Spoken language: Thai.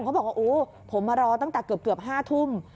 เขาบอกว่าโอ้ผมมารอตั้งแต่เกือบ๕ทุ่ม